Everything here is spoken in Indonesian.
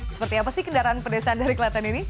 seperti apa sih kendaraan pedesaan dari kelaten ini